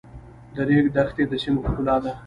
د ریګ دښتې د سیمو ښکلا ده.